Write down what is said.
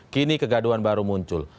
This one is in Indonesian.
kini kegaduan baru muncul